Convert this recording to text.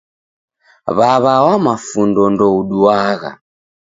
W'aw'a wa mafundo ndouduagha.